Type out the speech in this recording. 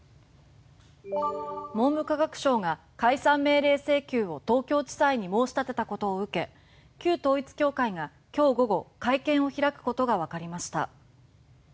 文部科学省が解散命令請求を東京地裁に申し立てたことを受け旧統一教会が今日午後会見を開くことがわかりました。